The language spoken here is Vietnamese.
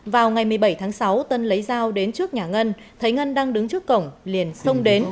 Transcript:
vào ngày một mươi bảy tháng sáu tân lấy dao đến trước nhà ngân thấy ngân đang đứng trước cổng liền xông đến